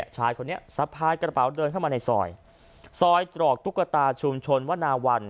ชายคนนี้สะพายกระเป๋าเดินเข้ามาในซอยซอยตรอกตุ๊กตาชุมชนวนาวัน